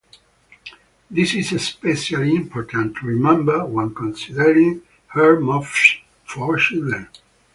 This is especially important to remember when considering earmuffs for children.